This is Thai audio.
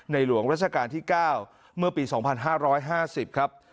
หลวงราชการที่๙เมื่อปี๒๕๕๐ครับ